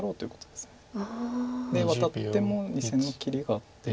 でワタっても２線の切りがあって。